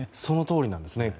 そのとおりです。